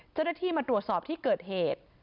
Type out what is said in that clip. เจ้าหน้าที่มาตรวจสอบที่เกิดเหตุ